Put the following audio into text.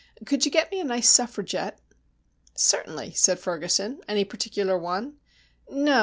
Could you get me a nice Suffragette?" "Certainly," said Ferguson. "Any particular one?" "No.